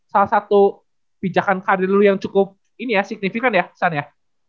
salah satu pijakan karir dulu yang cukup ini ya signifikan ya kesan ya